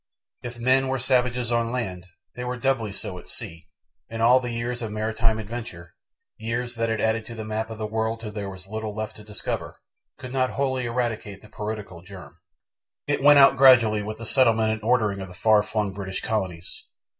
If men were savages on land they were doubly so at sea, and all the years of maritime adventure years that added to the map of the world till there was little left to discover could not wholly eradicate the piratical germ. It went out gradually with the settlement and ordering of the far flung British colonies.